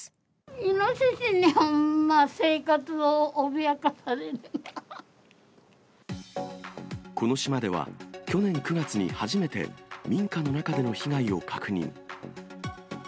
イノシシにほんま生活を脅かこの島では、去年９月に初めて民家の中での被害を確認。